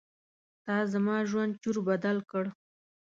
تا زما ژوند چور بدل کړ.